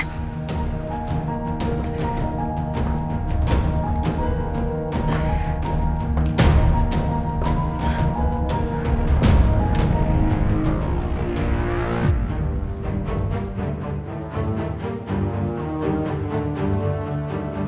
mas alko pergi